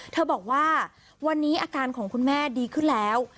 บอกว่าวันนี้อาการของคุณแม่ดีขึ้นแล้ว